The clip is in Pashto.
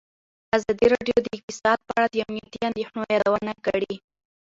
ازادي راډیو د اقتصاد په اړه د امنیتي اندېښنو یادونه کړې.